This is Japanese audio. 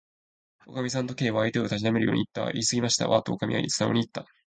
「おかみさん」と、Ｋ は相手をたしなめるようにいった。「いいすぎましたわ」と、おかみはすなおにいった。